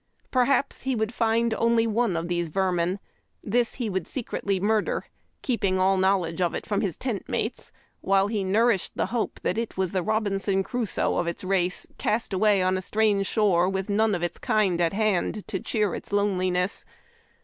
Perhaps he would find only one of the vermin. This lie would secretly murder, keeping all knowledge of it from his tent mates, while he nourished the hope that it was the Robinson Crusoe of its race cast away on a strange shore with none of its kind at hand to cheer its loneliness.